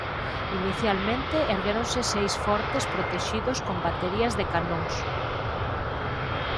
Inicialmente erguéronse seis fortes protexidos con baterías de canóns.